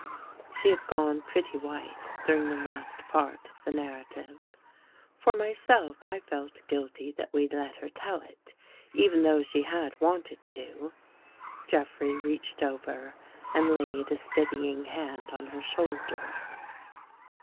She had gone pretty white during the last part of the narrative. For myself, I felt guilty that we'd let her tell it, even though she had wanted to. Jeffrey reached over and laid a steadying hand on her shoulder.